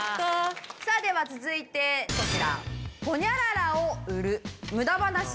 さあでは続いてこちら。